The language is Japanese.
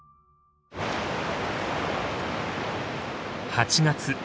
８月。